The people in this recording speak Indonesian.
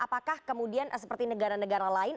apakah kemudian seperti negara negara lain